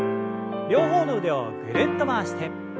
両方の腕をぐるっと回して。